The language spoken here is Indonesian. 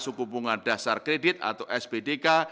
suku bunga dasar kredit atau spdk